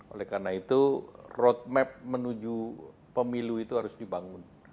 oleh karena itu roadmap menuju pemilu itu harus dibangun